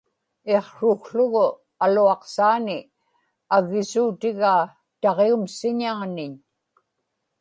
iqsrukługu aluaqsaani aggisuutigaa taġium siñaaniñ